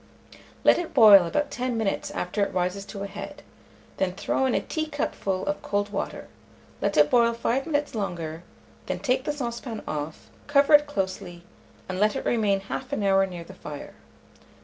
Let it boil about 10 minutes after it rises to a head, then throw in a teacupful of cold water; let it boil 5 minutes longer, then take the saucepan off, cover it closely, and let it remain 1/2 hour near the fire.